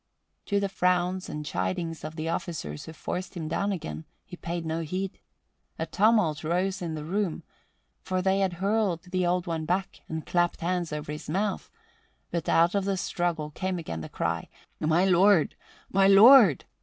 To the frowns and chidings of the officers who forced him down again, he paid no heed. A tumult rose in the room, for they had hurled the Old One back and clapped hands over his mouth; but out of the struggle came again the cry, "My lord! My lord!"